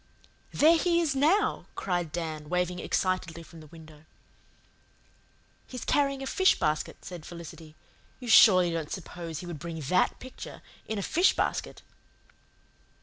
"There he is now!" cried Dan, waving excitedly from the window. "He's carrying a fish basket," said Felicity. "You surely don't suppose he would bring THAT picture in a fish basket!"